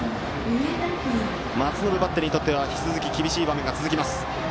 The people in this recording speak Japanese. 松延バッテリーにとっては厳しい場面が続きます。